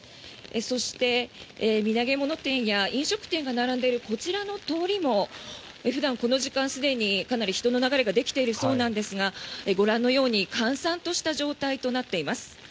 そして土産物店や飲食店が並んでいるこちらの通りも普段、この時間すでに人の流れができているそうなんですがご覧のように閑散とした状態となっています。